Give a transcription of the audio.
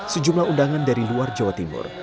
sejumlah undangan dari luar jawa timur